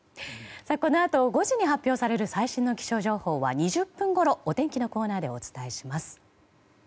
このあと５時に発表される最新の気象情報は２０分ごろ、お天気のコーナーでお伝えします。